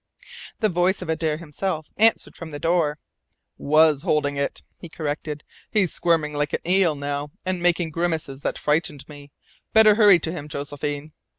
The voice of Adare himself answered from the door: "Was holding it," he corrected. "He's squirming like an eel now and making grimaces that frightened me. Better hurry to him, Josephine!"